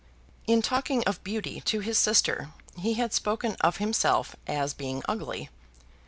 In talking of beauty to his sister he had spoken of himself as being ugly.